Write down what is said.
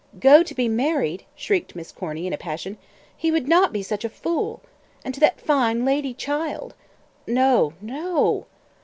"Go to be married!" shrieked Miss Corny, in a passion. "He would not be such a fool. And to that fine lady child! No no."